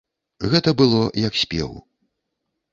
Гэта было як спеў.